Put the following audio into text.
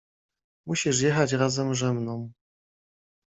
"Musisz jechać razem że mną."